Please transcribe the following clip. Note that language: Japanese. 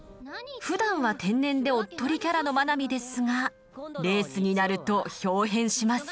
ふだんは天然でおっとりキャラの真波ですがレースになるとひょう変します。